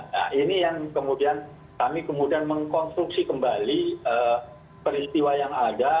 nah ini yang kemudian kami kemudian mengkonstruksi kembali peristiwa yang ada